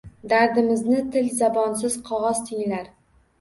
Dardimizni til-zabonsiz qogʼoz tinglar.